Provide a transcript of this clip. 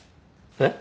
えっ？